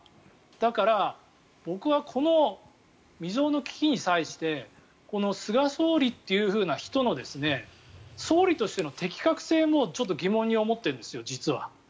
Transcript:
だから、僕はこの未曽有の危機に際してこの菅総理というふうな人の総理としての適格性もちょっと疑問に思っているんです。